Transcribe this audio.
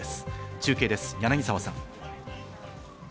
中継です、柳沢さん。